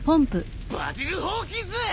バジル・ホーキンス！